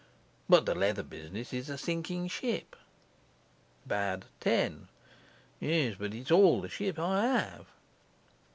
But the leather business is a sinking ship. 10. Yes, but it's all the ship I have.